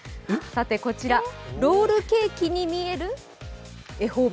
こちらロールケーキに見える恵方巻。